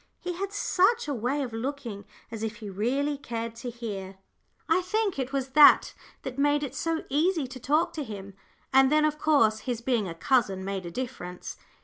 He had such a way of looking as if he really cared to hear. I think it was that that made it so easy to talk to him; and then, of course, his being a cousin made a difference.